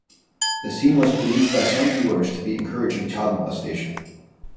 The scene was believed by some viewers to be encouraging child molestation.